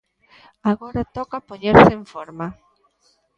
Agora toca poñerse en forma.